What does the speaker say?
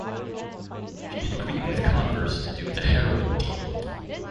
She had agreed with Converse to do the heroin deal.